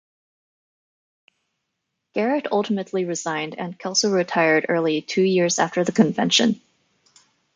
Garrett ultimately resigned and Kelso retired early two years after the convention.